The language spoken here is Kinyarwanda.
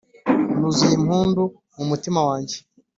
Nuzuye impundu mu mutima wanjye